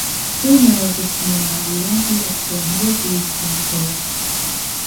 Who knows if tomorrow we won’t be up to a hundred leagues offshore?